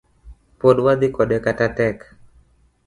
Pod wadhi kode kata tek